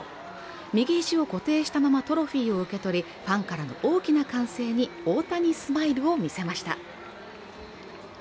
右肘を固定したまま、トロフィーを受け取りファンからの大きな歓声に大谷スマイルを見せました。